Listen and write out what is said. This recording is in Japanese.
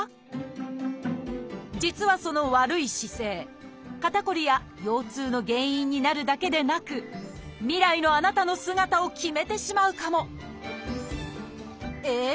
実はその悪い姿勢肩こりや腰痛の原因になるだけでなく未来のあなたの姿を決めてしまうかもええ？